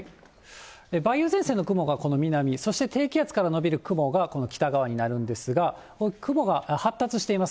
梅雨前線の雲がこの南、そして低気圧が延びる雲がこの北側になるんですが、この雲が発達しています。